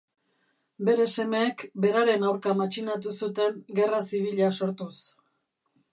Bere semeek beraren aurka matxinatu zuten gerra zibila sortuz.